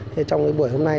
thế trong thời gian này